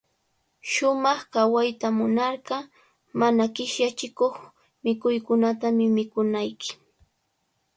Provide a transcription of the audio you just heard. Shumaq kawayta munarqa, mana qishyachikuq mikuykunatami mikunayki.